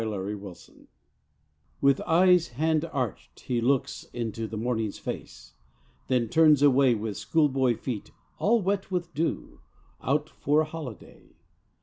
COMRADERY With eyes hand arched he looks into The morning's face, then turns away With schoolboy feet, all wet with dew, Out for a holiday.